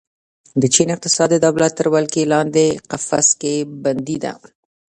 د چین اقتصاد د دولت تر ولکې لاندې قفس کې بندي ده.